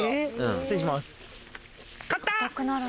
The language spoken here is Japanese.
失礼します。